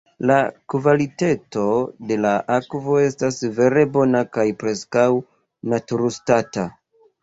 La kvaliteto de la akvo estas vere bona kaj preskaŭ naturstata.